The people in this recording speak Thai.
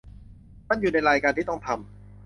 มันอยู่ในรายการที่ต้องทำ